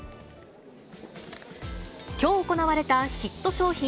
きょう行われた、ヒット商品